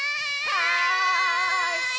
はい。